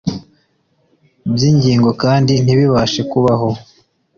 bw’ingingo kandi ntibabashe kubaho.